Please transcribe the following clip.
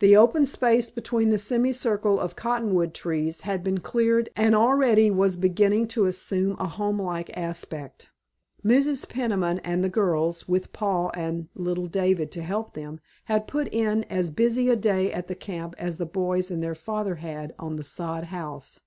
The open space between the semicircle of cottonwood trees had been cleared, and already was beginning to assume a homelike aspect. Mrs. Peniman and the girls, with Paul and little David to help them, had put in as busy a day at the camp as the boys and their father had on the sod house.